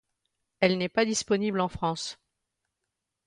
Elle n'est pas disponible en France.